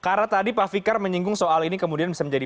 karena tadi pak fikar menyinggung soal ini kemudian bisa menjadi